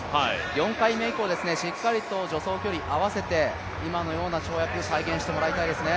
４回目以降、しっかりと助走距離、合わせて、今のような跳躍再現してもらいたいですね。